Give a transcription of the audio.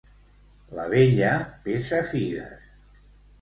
La vella pesa figues.